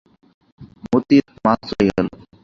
মোতির মা চলে গেল।